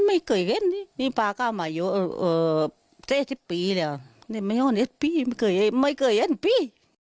ก็ไม่เคยเจอนี่ป่าเข้ามาอยู่เจ้าสิบปีแล้วไม่เคยเจอถึงเปียงสักปี